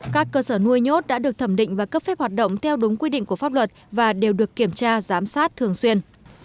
các cơ sở nuôi nhốt đã được thẩm định và cấp phép hoạt động theo đúng quy định của pháp luật và đều được kiểm tra giám sát thường xuyên